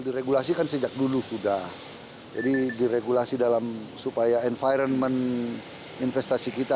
diregulasi kan sejak dulu sudah jadi diregulasi supaya environment investasi kita